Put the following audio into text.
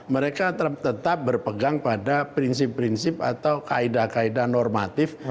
mereka tetap berpegang pada prinsip prinsip atau kaedah kaedah normatif